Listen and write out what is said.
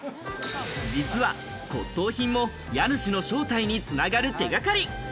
実は骨董品も家主の正体に繋がる手掛かり。